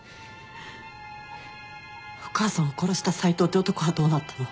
お母さんを殺した斉藤って男はどうなったの？